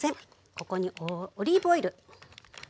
ここにオリーブオイル。